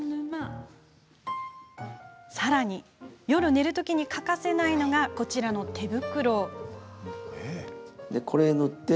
さらに夜寝るときに欠かせないのが、こちらの手袋。